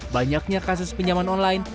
banyaknya kasus pinjaman online